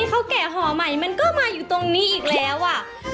เอ้าเธอไม่รู้เหรอประโยชน์ของมันคืออะไร